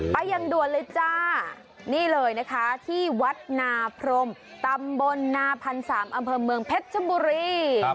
ไปยังด่วนเลยจ้านี่เลยนะคะที่วัดนาพรมตำบลนาพันธ์สามอำเภอเมืองเพชรชบุรี